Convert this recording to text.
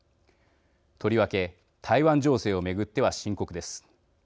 とりわけ、台湾情勢を巡っては深刻です。